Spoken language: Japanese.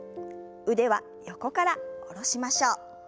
腕は横から下ろしましょう。